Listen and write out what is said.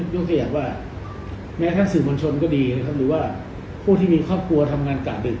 ยกตัวอย่างว่าแม้ทั้งสื่อมวลชนก็ดีนะครับหรือว่าผู้ที่มีครอบครัวทำงานกะดึก